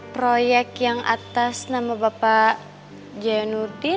proyek yang atas nama bapak jaya nurdin udah mas cek belum mas